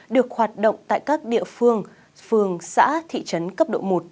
được hoạt động tại các địa phương phường xã thị trấn cấp độ một